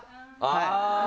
はい。